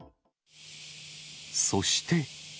そして。